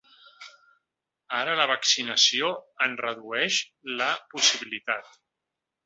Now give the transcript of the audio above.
Ara, la vaccinació en redueix la possibilitat.